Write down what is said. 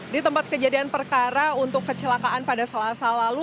di tempat kejadian perkara untuk kecelakaan pada selasa lalu